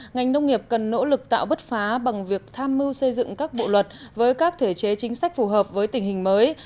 ngành nông nghiệp cần nỗ lực tạo bứt phá bằng việc tham mưu xây dựng các bộ luật với các thể chế chính sách phù hợp với tình hình mới